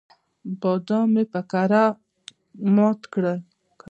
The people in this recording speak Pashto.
بادام یې په کراره مات کړل.